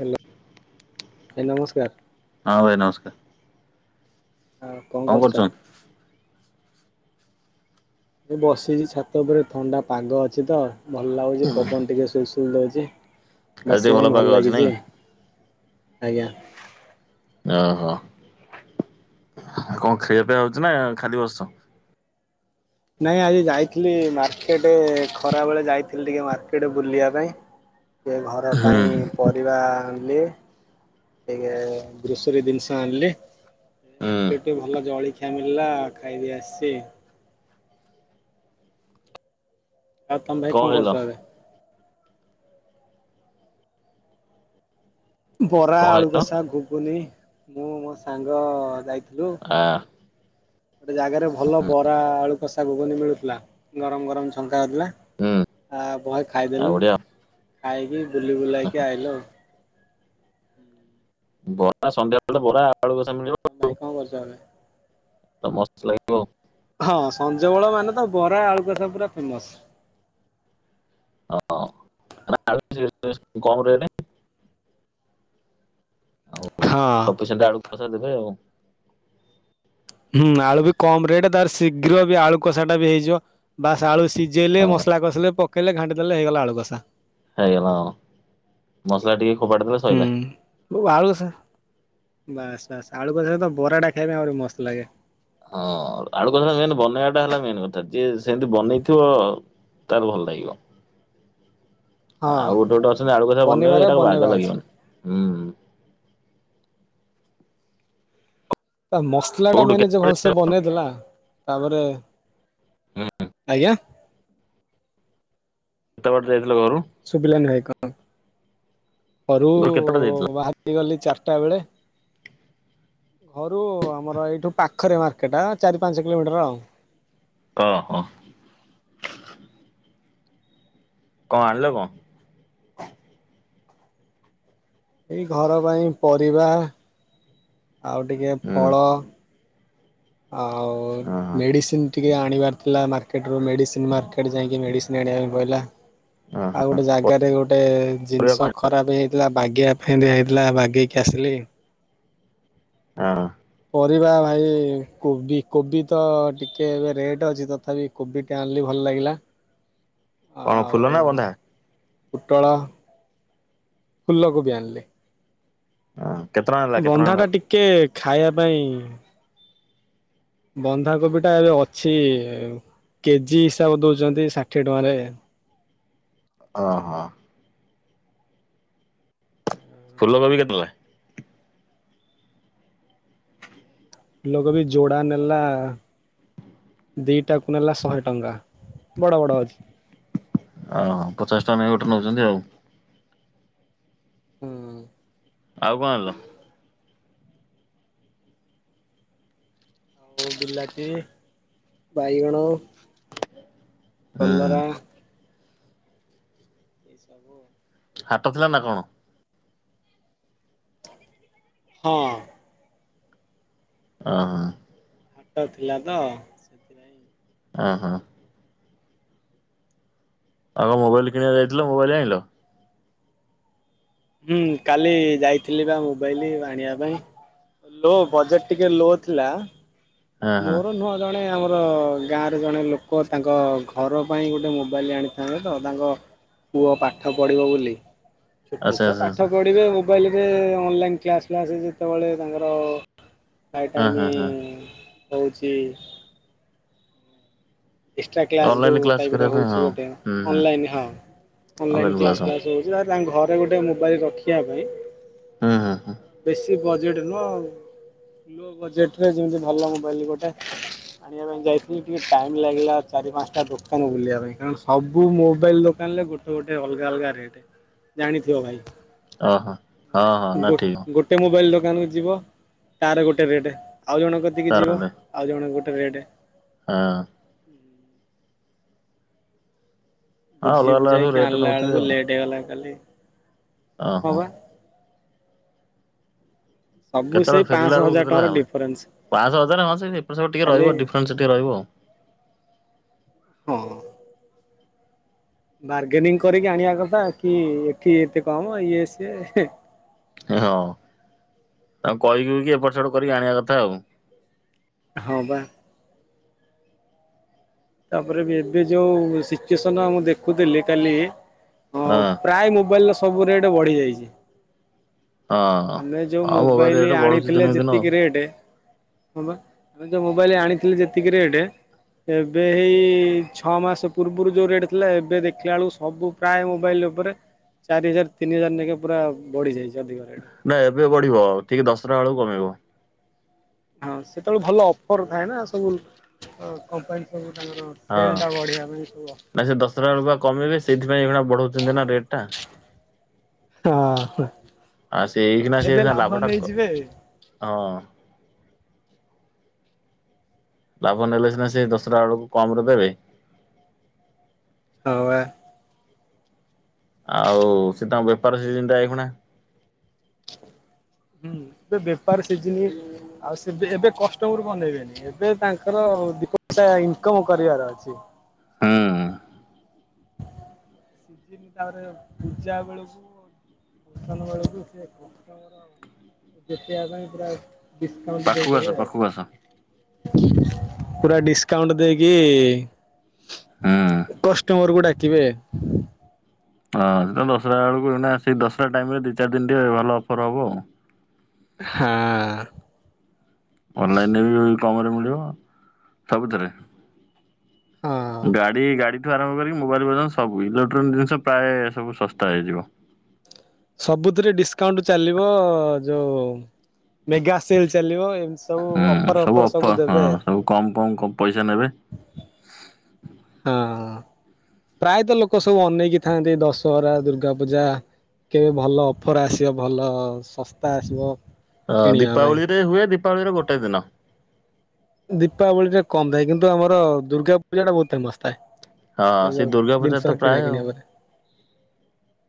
Hello ଭାଇ ନମସ୍କାର ହଁ ଭାଇ ନମସ୍କାର। ହଁ କଣ କରୁଛ। ଏ ବସିଚି ଛାତ ଉପରେ ଥଣ୍ଡା ପାଗ ଅଛି ତ ଭଲ ଲାଗୁଛି ପବନ ଟିକେ ସୁଲୁ ସୁଲୁ ଦୋଉଛି। [unintelligible] ଆଜି ଟିକେ ଭଲ ପାଗ ଅଛି ନାଇଁ। ଆଜ୍ଞା। ଓହୋ ଆଉ କଣ ଖାଇବା ପାଇଁ ଭାବୁଛ ନା ଖାଲି ବସିଛ। ନାଇଁ ଆଜି ଯାଇଥିଲି ମାର୍କେଟ୍ ଖରା ବେଳେ ଯାଇଥିଲି ଟିକେ ମାର୍କେଟ୍ ବୁଲିବା ପାଇଁ। ଟିକିଏ ଘର ହୁଁ ପାଇଁ ପରିବା ଆଣିଲି। ଟିକିଏ ଗ୍ରୋସରୀ ଜିନିଷ ଆଣିଲି। ହୁଁ ମାର୍କେଟ୍ ଟିକେ ଭଲ ଜଳି [unintelligible] ମିଳିଲା ଖାଇକି ଆସିଚି। ଆଉ ତମେ ଭାଇ କଣ କରୁଛ ଏବେ। ବରା କଣ ଖାଇଲ ଆଳୁକଷା ଘୁଗୁନି। ମୁଁ ମୋ ସାଙ୍ଗ ଯାଇ ଆ। ଗୋଟେ ଜାଗାରେ ଭଲ ବରା ଆଳୁ କଷା ଘୁଗୁନି ମିଳୁଥିଲା ଗରମ ଗରମ ଛ ସରିଲା ହୁଁ ଆ ବହେ ଆଉ ଖାଇଦେଲୁ। ବଢିଆ ଖାଇକି ବୁଲି ବୁଲାକି ଆଇଲୁ। ବରା ସନ୍ଧ୍ୟାବେଳେ ବରା। ଆଳୁ କଷା ମିଳିବ ଭାଇ କଣ କରୁଚ ଏବେ। ତ ମସ୍ତ ଲାଗିବ। ହଁ ସଞ୍ଜ ବେଳ ମାନେ ତ ବରା ଆଳୁକଷା ପୁରା ଫେମସ୍। ହଁ ଆଳୁ କମ୍ ରେଟ୍। ଆଉ ହଁ ସପିସେଣ୍ଟ୍ ଆଳୁ କଷା ଦେବେ ଆଉ ହୁଁ ଆଳୁ ବି କମ ରେଟ୍, ତାର ଶୀଘ୍ର ବି ଆଳୁକଷାଟା ବି ହେଇଯିବ ବାସ ଆଳୁ ସି ସିଝେଇଲେ ହଁ ମସଲା କସିଲେ ପ କହିଲେ ଘାଣ୍ଟି ଦେଲେ ହେଇଗଲା ଆଳୁକଷା। ହେଇଗଲା ମସଲା ଟିକେ। ଫୋପାଡ଼ି ଦେଲେ ହୁଁ ସଇଲା। ଯୋଉ ଆଳୁକଷା। ବାସ ବାସ୍ ଆଳୁକଷା ସହିତ ବରାଟା ଖାଇଲେ ଆହୁରି ମସ୍ତ ଲାଗେ । ହଁ ଆଳୁକଷା ମେନ୍ ବନେଇବାଟା ହେଲା ମେନ୍ କଥା । ଯିଏ ସେମିତି ବନେଇଥିବ ତାର ଭଲ ଲାଗିବ । ହଁ ଆଉ ଗୋଟେ ଗୋଟେ ଅଛନ୍ତି ଆଳୁକଷା ବନେଇବେ ବନେଇବାରେ ସେଇଟା ବାଗ ବନେଇବା ଅଛି। ଲାଗିବନି । ହୁଁ। ତା ମସଲାଟା କୋଉଠୁ ମେନ୍ ଯେ କେତେବେଳେ ଭଲସେ ବନେଇଦେଲା ତାପରେ, ଆଜ୍ଞା । ଏତକ ଯେ । ସୁବିଲାନି ଭାଇ କ ହଁ। ଘରୁ କେତେ ବାଟ ଯାଇଥିଲ? ବାହାରି ଗଲି ଚାର ଚାଟାବେଳେ ଘରୁ ଆମର ଏଇଠୁ ପାଖରେ ମାର୍କେଟ ଚାରି ପାଞ୍ଚ କିଲୋମିଟର ଆଉ । ଅହ ହଁ । କଣ ଆଣିଲ କଣ? ଏଇ ଘର ପାଇଁ ପରିବା । ଆଉ ଟିକେ ହୁଁ ଫଳ। ଆଉ ଓହୋ ମେଡିସିନ୍ ଟି ଏଇ ଆଣିବାର ଥିଲା ମାର୍କେଟରୁ ମେଡିସିନ, ମାର୍କେଟ ଯାଇକି ମେଡିସିନ ଆଣିବା ପାଇଁ ପଇଲା। ଓହୋ ଆଉ ଗୋଟେ ଜାଗାରେ ଗୋଟେ ପରିବା କଣ ଜିନିଷ ଆଣିଲ? ଖରାପ ହେଇଯାଇଥିଲା, ବାଗେଇବା ପାଇଁ ଦିଆ ହେଇଥିଲା ବାଗେଇକି ଆସିଲି । ହଁ । ପରିବା ଭାଇ କୋବି କୋବି ତ ଟିକେ ଏବେ ରେଟ୍ ଅଛି, ତଥାପି କୋବିଟେ ଆଣିଲି ଭଲ ଲାଗିଲା । କଣ ଫୁଲ ନା ବନ୍ଧା? ପୁଟଳ । ଫୁଲକୋବି ଆଣିଲି। ହଁ। କେତେ ଟଙ୍କା ନେଲା କେତେ ଟଙ୍କା ବନ୍ଧା ଟା ନେଲା? ଟିକେ । ଖାଇବା ପାଇଁ ବନ୍ଧାକୋବିଟା ଏବେ ଅଛି କେଜି ହିସାବ ଦଉଛନ୍ତି ଷାଠିଏ ଟଙ୍କାରେ । ଅହ । ଫୁଲକୋବି କେତେ ପ ଫୁଲକୋବି ଯୋଡା ନେଲା ଦିଟାକୁ ନେଲା ଶହେ ଟଙ୍କା ବଡ ବଡ ଅଛି । ଓ ପଚାଶ ଟଙ୍କା ନେଇ ଗୋଟେ ନେଉଛନ୍ତି ଆଉ । ହୁଁ। ଆଉ କଣ ଆଣିଲ? ଆଉ ବିଲାତି, ବାଇଗଣ । ହୁଁ ହୁଁ କଲରା । [unintelligible] ହେବ। ହାଟ ଥିଲା ନା କଣ? ହଁ। ହ। ହାଟ ଥିଲା ତ ସେଥିପାଇଁ। ହ ହଁ। ଆଉ ମୋବାଇଲ କିଣିବାକୁ ଯାଇଥିଲ ମୋବାଇଲ ଆଣିଲୋ? ହୁଁ କାଲି ଯାଇଥିଲି ବା ମୋବାଇଲି ଆଣିବା ପାଇଁ ଲୋ ବଜେଟ ଟିକେ ଲୋ ଥିଲା। ହଁ ହଁ ମୋର ନୁହଁ ଜଣେ ଆମର ଆ ଗାଁରେ ଜଣେ ଲୋକ ତାଙ୍କ ଘର ପାଇଁ ଗୋଟେ ମୋବାଇଲ ଆଣିଥାନ୍ତେ ତ ତାଙ୍କ ପୁଅ ପାଠ ପଢ଼ିବ ବୋଲି। ଛୋଟ ଆଚ୍ଛା ଛୁଆ ଆଚ୍ଛା ପାଠ ଆଚ୍ଛା ପଢିବେ ଆଉ। ମୋବାଇଲରେ ଅନଲାଇନ୍ କ୍ଲାସ୍ ଫ୍ଲାସ ଯେତେବେଳେ ତାଙ୍କର ପ୍ରାୟ ହଁ ହଁ ଟାଇମି। ହଁ ହଉଛି। ଏକ୍ସଟ୍ରା କ୍ଲାସ୍ ଅନଲାଇନ ଯେଉଁ କ୍ଲାସ ଟାଇପ୍ର କରିବା ପାଇଁ ହେଉଛି ହଁ ଗୋଟେ ହୁଁ ହୁଁ। ଅନଲାଇନ୍ ହଁ ଅନଲାଇନ୍ କ୍ଲାସ୍ କ୍ଲାସ୍ ହେଉଛି ତା ତାଙ୍କ ଘରେ ଗୋଟେ ମୋବାଇଲ ରଖିବା ପାଇଁ ହୁଁ ହଁ ହ। କି ବଜେଟ୍ ନୁହଁ ଲୋ ବଜେଟରେ ଯେମିତି ଭଲ ମୋବାଇଲ ଗୋଟେ ଆଣିବା ପାଇଁ ଯାଇଥିଲି ଟିକେ ଟାଇମ୍ ଗିଲା ଚାରି ପାଞ୍ଚଟା ଦୋକାନ ବୁଲିବା ପାଇଁ କଣ ସବୁ ମୋବାଇଲ ଦୋକାନରେ ଗୋଟେ ଗୋଟେ ଅଲଗା ଅଲଗା ରେଟ, ଜାଣିଥିବ ଭାଇ। ହଁ ମାନେ ହଁ ନା ଗୋ ଠିକ ଗୋଟେ ମୋବାଇଲ ଦ ଦୋକାନକୁ ଯିବ ତାର ଗୋଟେ ରେଟ୍। ଆଉ ଜଣକତିକି ତାର ଯିବ ନାଇଁ ଆଉ ଜଣ ଗୋଟେ ରେଟେ। ହଁ। ଉଁ। ହଁ ବୁଝି ଅଲଗା ଅଲଗା ସବୁ ବୁଝାଇକି ରେଟ୍ ଆଣିଲା ବେଳକୁ ଲେଟ୍ ହେଇଗଲା କାଲି। ଅ ହଁ ହୋ। ବା ସବୁ ସେଇ କେତେବେଳେ ଫେରିଲା ପାଞ୍ଚଶହ ବେଳକୁ ହଜାର କେତେଟା ଟଙ୍କାର ହେଲା? ଡିଫରେନ୍ସ ପାଁଶହ ହଜାର ହଁ ସେ ଏପଟ ସେପଟ ଟିକେ ଖାଲି ରହିବ। ଡିଫରେନ୍ସ ଟିକେ ରହିବ ଆଉ। ହଁ ବାର୍ଗେନିଂ କରିକି ଆଣିବା କଥା କି ଏଠି ଏତେ କମ୍ ଇଏ ସିଏ। ହଁ । ଆଉ କହିକୁହିକି ଏପଟ ସେପଟ କରିକି ଆଣିଆ କଥା ଆଉ। ହଁ ବା। ତାପରେ ଏବ୍ ଏବେ ଯୋଉ ସିଚୁଏସନ ଆଁ ମୁଁ ଦେଖୁଥିଲି କାଲି ହଁ ପ୍ରାୟ ମୋବାଇଲର ସବୁ ରେଟ୍ ବଢି ଯାଇଚି। ହଁ। ଆମେ ଯୋଉ ଆଉ ମୋବାଇଲ ରେଟ୍ ମୋବାଇଲି ବଢୁଛି ଆଣିଥିଲେ ଦିନକୁ ଦିନ ଆଉ। ଯେତିକି ରେଟେ ହଁ ବା। ମୁଁ ଯୋଉ ମୋବାଇଲି ଆଣିଥିଲି ଯେତିକି ରେଟେ ଏବେ ହେଇ ଛଅ ମାସ ପୂର୍ବରୁ ଯୋଉ ରେଟ୍ ଥିଲା ଏବେ ଦେଖିଲା ବେଳକୁ ସବୁ ପ୍ରାୟ ମୋବାଇଲ ଉପରେ ଚାରି ହଜାର ତିନି ହଜାର ନେଇକି ପୁରା ବଢି ଯାଇଛି ଅଧିକ ରେଟ୍। ନା ଏବେ ବଢିବ ଟିକେ ଦଶହରା ବେଳକୁ କମିବ। ହଁ ସେତେବେଳେ ଭଲ ଅଫର ଥାଏ ନା ସବୁ ଅ କମ୍ପାନୀ ସବୁ ତାଙ୍କର ହଁ। ସେଲ୍ ଟା ବଢେଇବା ପାଇଁ ସବୁ ଅଫର ନା ସେ ଦଶହରା ବେଳକୁ ବା କମେଇବେ, ସେଇଥିପାଇଁ ଏଇଖିଣା ବଢ଼ାଉଛନ୍ତି ନା ରେଟ ଟା। ହଁ । ହଁ। ଆଉ ସେ ଏଇକିନା ସେ ସିନା ଲାଭଟା କ ହଁ। ଲାଭ ନେଲେ ସିନା ସେଇ ଏ ଦଶହରା ବେଳକୁ କମ ରେ ଦେବେ। ହଁ ୱା। ଆଉ ସେ ତାଙ୍କ ବେପାର ସିଜିନ୍ ଟା ଏଇଖୁଣା। ହୁଁ। ଏବେ ବେପାର ସିଜିିନ ରେ ଆଉ ସେ ଏବେ ଏବେ କଷ୍ଟମର୍ କୁ ଅନେଇବେନି, ଏବେ ତାଙ୍କର ଦି ପଇସା ଇନକମ କରିବାର ଅଛି। ହୁଁ ସିଜିନ୍ ତାପରେ ପୂଜା ବେଳୁକୁ [unintelligible] ବେଳୁକୁ ସେ କଷ୍ଟମର ଦେଖିବା ପାଇଁ ପୁରା ଡିସକାଉଣ୍ଟ ପାଖୁକୁ ଦେଇଦେବେ ଆସ। ଆଉ। ପାଖୁକୁ ଆସ। ପୁରା ଡିସକାଉଣ୍ଟ ଦେଇକି ହୁଁ। କଷ୍ଟମର୍ କୁ ଡାକ୍। କିବେ? ହଁ। ତମ ଦଶହରା ବେଳକୁ ନା ସେ ଦଶହରା ଟାଇମ ରେ ଦି ଚାରି ଦିନ ଟିକେ ଭଲ ଅଫର୍ ହେବ ଆଉ। ହଁ। ଅନଲାଇନ ରେ [unintelligible] କମ୍ ରେ ମିଳିବ ସବୁଥିରେ। ହଁ। ଗାଡି ଗାଡି ଠୁ ଆରମ୍ଭ କରିକି ମୋବାଇଲ ପର୍ଯ୍ୟନ୍ତ ସବୁ ଇଲୋକ୍ଟ୍ରୋନିକ୍ ଜିନିଷ ପ୍ରାୟ ସବୁ ଶସ୍ତା ହେଇଯିବ। ସବୁଥିରେ ଡିସକାଉଣ୍ଟ ଚାଲିବ। ଯୋଉ ମେଗା ସେଲ୍ ଚାଲିବ। ଏମିତି ସବୁ ହୁଁ! ଅଫର ସବୁ ଅଫର, ହଁ! ଦେବେ ସବୁ କମ କମ ପଇସା ନେବେ। ହଁ! ପ୍ରାୟତଃ ଲୋକ ସବୁ ଅନେଇକି ଥାନ୍ତି ଦଶହରା ଦୁର୍ଗା ପୂଜା କେବେ ଭଲ ଅଫର ଆସିବ, ଭଲ ଶସ୍ତା ଆସିବ। ହଁ! କିଣିବା ପାଇଁ। ଦୀପାବଳି ରେ ହୁଏ। ଦୀପାବଳିର ଗୋଟେ ଦିନ। ଦୀପାବଳି ଟା କମ ଥାଏ। କିନ୍ତୁ ଆମର ଦୁର୍ଗା ପୂଜା ଟା ବହୁତ ମସ୍ତ ଥାଏ। ହଁ, ଏ ସେ ଯୋଉ ଦୁର୍ଗା ପୂଜା ଜିନିଷ ତ କିଣା ପ୍ରାୟ କିଣି ଆଉ। ଉପରେ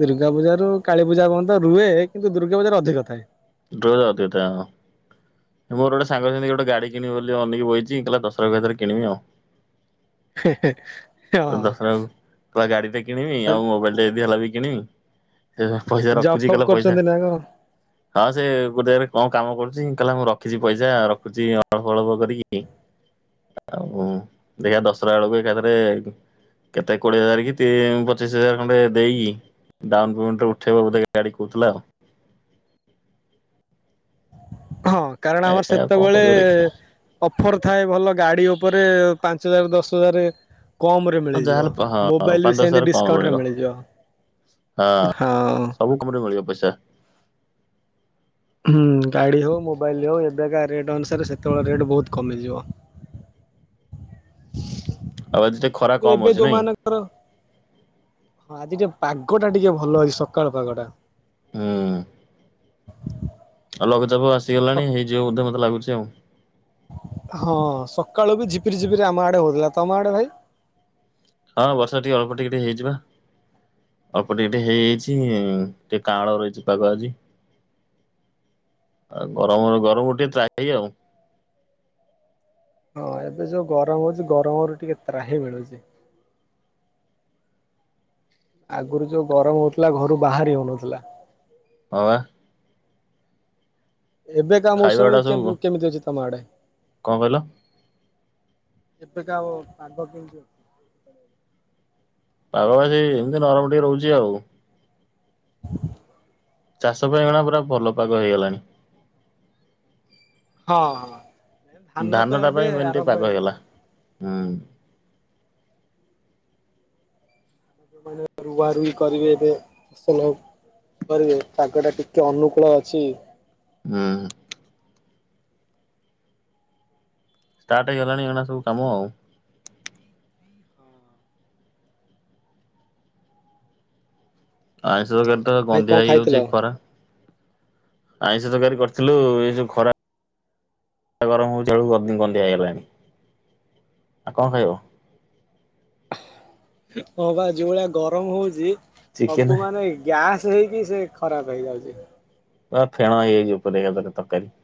ଦୁର୍ଗା ପୂଜାରୁ କାଳୀପୂଜା ପଯ୍ୟନ୍ତ ରୁହେ। କିନ୍ତୁ ଦୁର୍ଗାପୂଜାରେ ଅଧିକ ଥାଏ। ର ଅ ତ ହଁ ମୋର ଗୋଟେ ସାଙ୍ଗ ସେ ଗୋଟେ ଗାଡ଼ି କିଣିବି ବୋଲି ଅନକି ବହିଛି କହିଲେ ଦଶଟଙ୍କା ଭିତରେ କିଣିବି ଆଉ ହେ ହେ ହଁ। ଦଶହରା ରେ ଗାଡି ଟେ କିଣିବି ।ଆଉ ମୋବାଇଲ ଟା ଯଦି ହେଲା ବି କିଣିବି। ସେ ପଇସା ଜପ୍ ରଖୁଛି ଫପ୍ କହିଲା ପଇସା କରୁଛନ୍ତି ନା କଣ? ହଁ ସେ ଗୋଟେରେ କଣ କାମ କରୁଛି କହିଲା ମୁଁ ରଖିଛି ପଇସା ରଖୁଛି ଅଳ୍ପ ଅଳ୍ପ କରିକି। ଆଉ ଦେଖିବା ଦଶହରା ବେଳକୁ ଏକାଥରେ କେତେ କୋଡିଏ ହଜାର କି ତି ପଚିଶ ହଜାର ଖଣ୍ଡେ ଦେଇକି ଡାଉନ ପେମେଣ୍ଟରେ ଉଠେଇବୋଧେ ଗାଡି କହୁଥିଲା ଆଉ। [inaudible] ହଁ, କାରଣ ଆମର ଏ ଆଉ କଣ ସେତେବେଳେ କରିବ ଦେଖିବା ଅପ ଅଫର ଥାଏ ଭଲ ଗାଡି ଉପରେ ପାଞ୍ଚ ହଜାର ରୁ ଦଶ ହଜାର କମ ରେ ଆଉ ମିଳିଯିବ ଯାହାହେଲେ ହଁ ମୋବାଇଲ ବି ପାଞ୍ଚ ଦଶ ସେମିତି ହଜାର କମ ଡିସକାଉଣ୍ଟରେ ମିଳିବ ମିଳିଯିବ ।ହଁ! ସବୁ କମରେ ମିଳିବ ପଇସା ହୁଁ! ଗାଡି ହଉ ମୋବାଇଲ ହଉ ଏବେକା ରେଟ ଅନୁସାରେ ସେତେବେଳେ ରେଟ ବହୁତ କମିଯିବ। ଆଉ ଆଜି ଟିକେ ଖରା କମ ଏବେ ଅଛି ନାଇଁ ଯୋଉମାନଙ୍କର ହଁ ଆଜି ଯ ପାଗଟା ଟିକେ ଭଲ ଅଛି, ସକାଳ ପାଗଟା। ଉଁ। [unintelligible] ହେଇଯିବୋ ମତେ ଯାଉଁ। ହଁ ସକାଳୁ ବି ଝିପିରି ଝିପିରି ଆମ ଆଡେ ହଉଥିଲା, ତମ ଆଡେ ଭାଇ? ହଁ ବର୍ଷା ଟିକେ ଅଳ୍ପ ଟିକେ ଟେ ହେଇଛି ପା, ଅଳ୍ପ ଟିକେ ଟେ ହେଇଛି । ଟିକେ କାଁଳ ରହିଛି ପାଗ ଆଜି ଆ ଗରମ ଗରମରୁ ଟିକେ ତ୍ରାହି ଆଉ । ହଁ ଏବେ ଯୋଉ ଗରମ ହଉଛି ଗରମରୁ ଟିକେ ତ୍ରାହି ମିଳୁଛି। ଆଗରୁ ଯୋଉ ଗରମ ହଉଥିଲା ଘରୁ ବାହାରି ହଉନଥିଲା। ଅ, ଆ। ଏବେ କା ଖାଇବା ମୌସୁମୀ ଗୁଡା ସବୁ କେବେ କେମିତି ଅଛି। ତମ ଆଡ଼େ। କଣ କଇଲ? ଏବେକା ଆଉ ପାାଗ କେମିତି ଅଛି? ପାଗ ଆଜି ଏମିତି ନରମ ଟିକେ ରହୁଛି ଆଉ । [inaudible] ଚାଷ ପାଇଁ ପୁରା ଭଲ ପାଗ ହେଇଗଲାଣି। ହଁ ହଁ। ତ ଧାନ ଟା ଏବେ ପାଇଁ ମେନ୍ ଟିକେ ଆରମ୍ଭ ପାଗ ହେଇଯିବ ହେଇଗଲା। ହଁ। ମାନେ ରୁଆ ରୁଇ କରିବେ, ଏ ଫସଲ କରିବେ ତାାଗ ଟା ଟିକେ ଅନୁକୂଳ ଅଛି। ହୁଁ। ଷ୍ଟାର୍ଟହେଇଗଲାଣି ଏଣା ସବୁ କାମ । ଆ। ତ ଭାଇ ଗନ୍ଧିଆ କଣ ଖାଇଥିଲ? ହେଇଯାଉଛି ଖରା । ଆଇଁଷ ତରକାରୀ କରିଥିଲୁ, ଏ ସବୁ ଖରା ଗରମ ହଉଛି ବଳକୁ ଗନ୍ଧିଆ ହେଇଗଲାଣି ଆଉ କଣ ଖାଇବ । ହଁ ବା ଯୋଉ ଭଳିଆ ଗରମ ହଉଛି। ଚିକେନ ସବୁ ମାନେ ଗ୍ୟାସ୍। [unintelligible] ସେ ଖରାପ ହେଇଯାଉଛି। ଫେଣହେଇଯାଇଛି ଉପରେ ଏକା ଥରେ ତକାରୀ।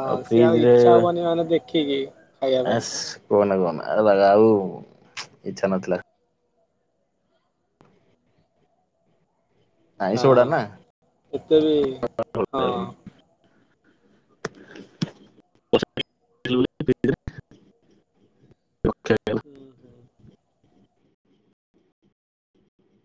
ହଁ ସେ ଆଉ ଇଚ୍ଛା ହବନି ମାନେ ଦେଖ। ଖୀ ଖି। ଏସ୍ କୁହନ କୁହନ। ଲଗା ଆଉ ଇଚ୍ଛା ନଥିଲା। ଆଇଁଷ ହଁ, ଗୁଡା ନା। ଏତେ ବି ହଁ। [inaudible] ହୁଁ ହୁଁ। [inaudible]